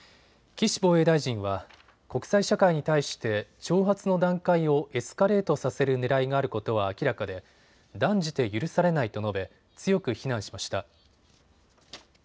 岸防衛大臣は国際社会に対して挑発の段階をエスカレートさせるねらいがあることは明らかで断じて許されないと述べ強く非難しました。